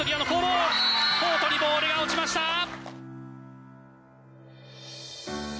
コートにボールが落ちました。